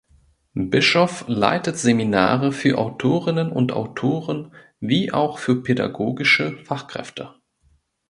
Bischoff leitet Seminare für Autorinnen und Autoren wie auch für pädagogische Fachkräfte.